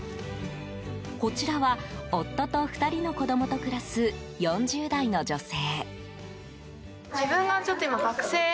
こちらは夫と２人の子供と暮らす４０代の女性。